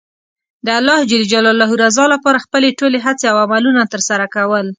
د الله رضا لپاره خپلې ټولې هڅې او عملونه ترسره کول.